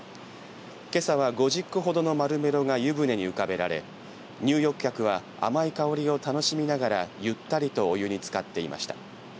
けさは５０個ほどのマルメロが湯船に浮かべられ入浴客は甘い香りを楽しみながらゆったりとお湯につかっていました。